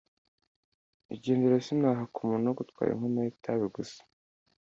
Igendere sinahaka umuntu wo gutwara inkono y’ itabi gusa